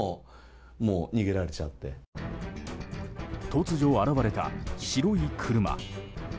突如、現れた白い車。